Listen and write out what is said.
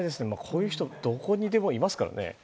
こういう人はどこにでもいますからね。